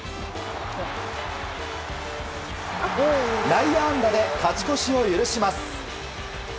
内野安打で勝ち越しを許します。